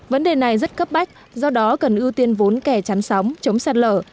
vấn đề này rất cấp bách do đó cần ưu tiên vốn kè chắn sóng chống sạt lở